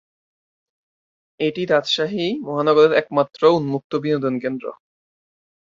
এটি রাজশাহী মহানগরীর একমাত্র উন্মুক্ত বিনোদন কেন্দ্র।